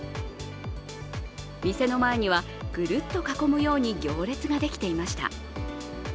店の前にはぐるっと囲むように行列ができていました。